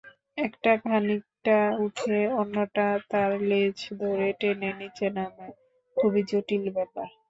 একটা খানিকটা ওঠে, অন্যটা তার লেজ ধরে টেনে নিচে নামায়া-খুবই জটিল ব্যাপার।